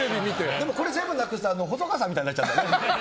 これ全部なくすと細川さんみたいになっちゃうからね。